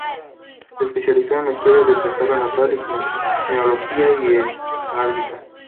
Se especializó en la historia de su estado natal, en genealogía y en heráldica.